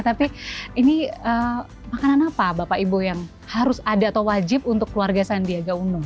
tapi ini makanan apa bapak ibu yang harus ada atau wajib untuk keluarga sandiaga uno